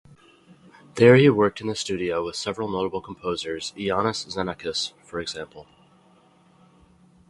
There he worked in the studio with several notable composers, Iannis Xenakis, for example.